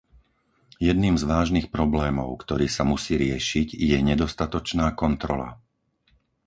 Jedným z vážnych problémov, ktorý sa musí riešiť je nedostatočná kontrola.